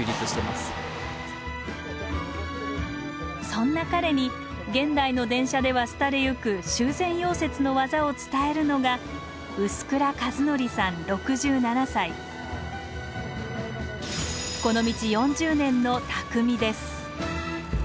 そんな彼に現代の電車では廃れゆく修繕溶接の技を伝えるのがこの道４０年の匠です